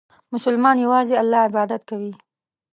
مسلمان یوازې الله عبادت کوي.